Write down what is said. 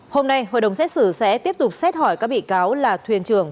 hôm nay hội đồng xét xử sẽ tiếp tục xét hỏi các bị cáo là thuyền trưởng